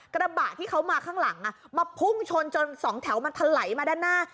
กระบะที่เขามาข้างหลังมาพุ่งชนจนสองแถวมันทะไหลมาด้านหน้า